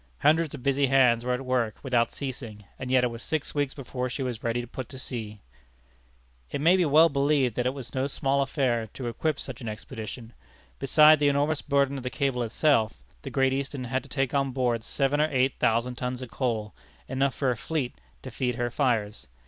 Hundreds of busy hands were at work without ceasing, and yet it was six weeks before she was ready to put to sea. It may well be believed that it was no small affair to equip such an expedition. Beside the enormous burden of the cable itself, the Great Eastern had to take on board seven or eight thousand tons of coal, enough for a fleet, to feed her fires.